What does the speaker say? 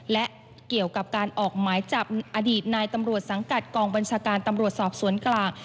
และเกี่ยวกับการออกหมายจับอดีตนายตำรวจสังกัดกองบัญชาการตำรวจสอบสวนกลาง